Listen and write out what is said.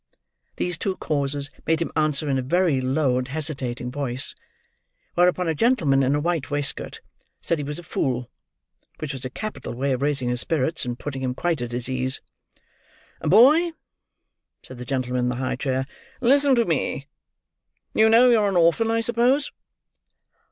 These two causes made him answer in a very low and hesitating voice; whereupon a gentleman in a white waistcoat said he was a fool. Which was a capital way of raising his spirits, and putting him quite at his ease. "Boy," said the gentleman in the high chair, "listen to me. You know you're an orphan, I suppose?"